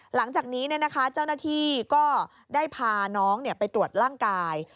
หลังจากนี้เจ้าหน้าที่ก็ได้พาน้องไปตรวจร่างกาย